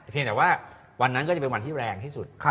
เพียงแต่ว่าวันนั้นก็จะเป็นวันที่แรงที่สุด